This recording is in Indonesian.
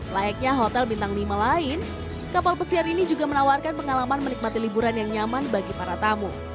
layaknya hotel bintang lima lain kapal pesiar ini juga menawarkan pengalaman menikmati liburan yang nyaman bagi para tamu